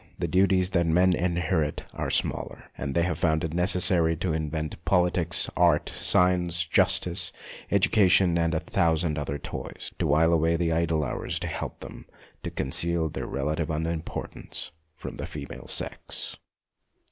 The duties that men inherit are smaller, and they have found it necessary to invent politics, art, science, justice, educa tion, and a thousand other toys to while away the idle hours and to help them to conceal their relative unimportance from the female sex.